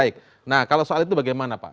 kalau soal itu bagaimana pak